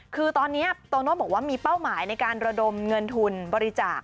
คือตอนนี้โตโน่บอกว่ามีเป้าหมายในการระดมเงินทุนบริจาค